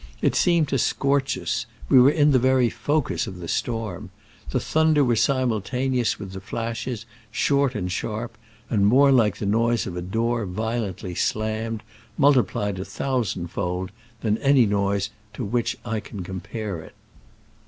It seemed to scorch us : we were in the very focus of the storm. The thunder was simultaneous with the flashes, short and sharp, and more like the noise of a door violently slammed, multiplied a thousand fold, than any noise to which I can compare it.